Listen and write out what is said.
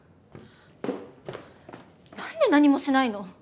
なんで何もしないの⁉